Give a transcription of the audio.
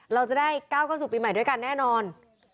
เราจะได้๙๙๐ปีใหม่ด้วยกันแน่นอน